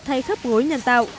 thay khớp gối nhân tạo